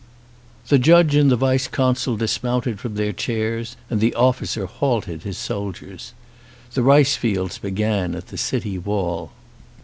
The judge and the vice consul dismounted from their chairs and the officer halted his soldiers. The rice fields began at the city wall.